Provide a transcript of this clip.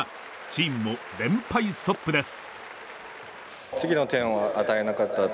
チームも連敗ストップです。